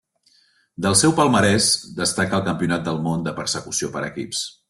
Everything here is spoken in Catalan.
Del seu palmarès destaca el Campionat del món de persecució per equips.